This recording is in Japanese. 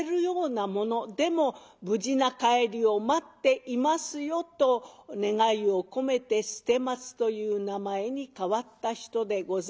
でも無事な帰りを待っていますよ」と願いを込めて捨松という名前に替わった人でございます。